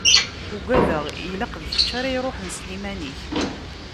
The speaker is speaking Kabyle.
Ugadeɣ ilaq d kečč ara iruḥen s yiman-ik.